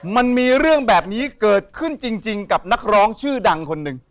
มันมีเรื่องแบบนี้เกิดขึ้นจริงกับนักร้องชื่อดังคนหนึ่ง